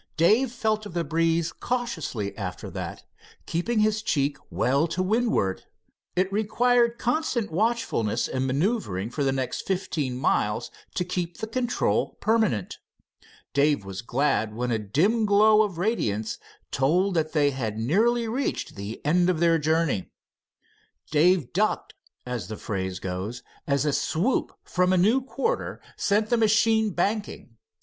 Dave felt of the breeze cautiously after that, keeping his cheek well to windward. It required constant watchfulness and maneuvering for the next fifteen miles to keep the control permanent. Dave was glad when a dim glow of radiance told that they had nearly reached the end of their journey. Dave "ducked," as the phrase goes, as a swoop from a new quarter sent the machine banking.